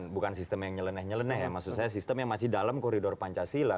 bukan sistem yang nyeleneh nyeleneh ya maksud saya sistem yang masih dalam koridor pancasila